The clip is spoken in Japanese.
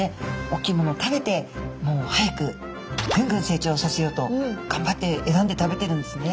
大きいものを食べてもう早くぐんぐん成長させようとがんばって選んで食べてるんですね。